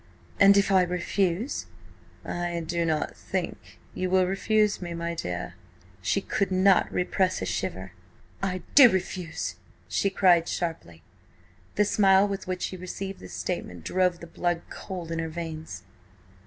"And if I refuse?" "I do not think you will refuse, my dear." She could not repress a shiver. "I do refuse!" she cried sharply. The smile with which he received this statement drove the blood cold in her veins.